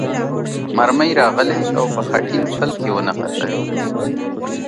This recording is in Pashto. مرمۍ راغلې او په خټین پل کې ونښتلې.